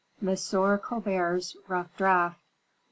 Monsieur Colbert's Rough Draft.